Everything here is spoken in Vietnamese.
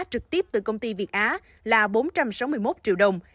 trực tiếp từ công ty việt á là bốn trăm sáu mươi một triệu đồng